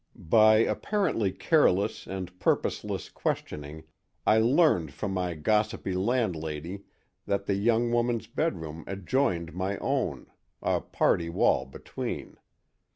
By apparently careless and purposeless questioning I learned from my gossipy landlady that the young woman's bedroom adjoined my own, a party wall between.